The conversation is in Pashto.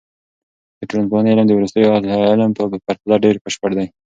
د ټولنپوهنې علم د وروستیو اهل علم په پرتله ډېر بشپړ دی.